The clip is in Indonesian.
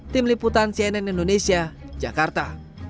tim liputan cnn indonesia jakarta